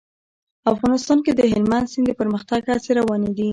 افغانستان کې د هلمند سیند د پرمختګ هڅې روانې دي.